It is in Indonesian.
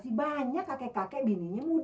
iya dah yang penting komisinya raya